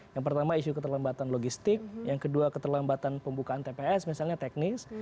yang pertama isu keterlambatan logistik yang kedua keterlambatan pembukaan tps misalnya teknis